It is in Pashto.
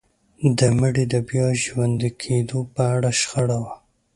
د مړي د بيا راژوندي کيدو په اړه شخړه وه.